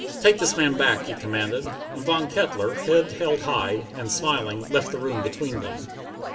"Take this man back," he commanded, and Von Kettler, head held high, and smiling, left the room between them.